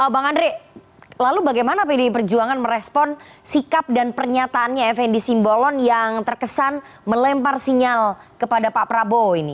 bang andre lalu bagaimana pdi perjuangan merespon sikap dan pernyataannya fnd simbolon yang terkesan melempar sinyal kepada pak prabowo ini